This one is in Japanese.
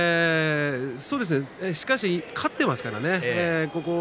しかし勝っていますからね。